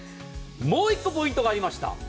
もう１個、ポイントがありました。